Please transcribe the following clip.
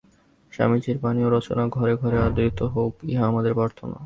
স্বামীজীর বাণী ও রচনা ঘরে ঘরে আদৃত হউক, ইহাই আমাদের প্রার্থনা।